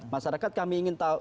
masyarakat kami ingin tahu